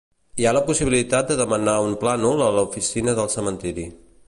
Hi ha la possibilitat de demanar un plànol a l'oficina del cementiri.